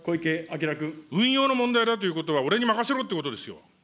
運用の問題だということは、俺に任せろということですよ。